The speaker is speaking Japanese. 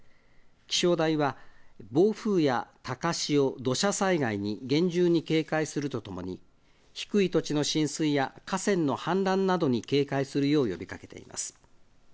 気象台は暴風や高潮、土砂災害に厳重に警戒するとともに低い土地のの浸水や河川の氾濫などに警戒するよう呼びかけています。